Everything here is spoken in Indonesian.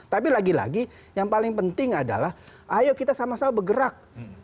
tapi lagi lagi yang paling penting adalah ayo kita sama sama bergerak